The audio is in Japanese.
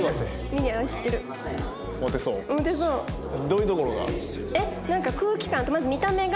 どういうところが？